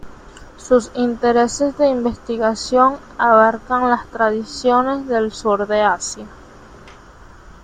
Sus intereses de investigación abarcan las tradiciones del sur de Asia.